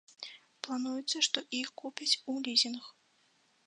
Плануецца, што іх купяць у лізінг.